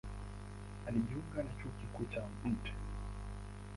Alijiunga na Chuo Kikuu cha Mt.